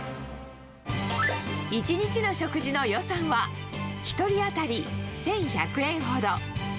１日の食事の予算は、１人当たり１１００円ほど。